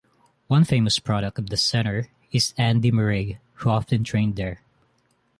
One famous product of the centre is Andy Murray, who often trained there.